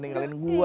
diputerin lagi gua